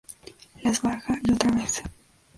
Las baja y otra vez.